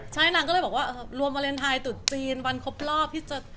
ใช่นางก็เลยบอกว่ารวมวาเลนไทยตุดจีนวันครบรอบที่จะ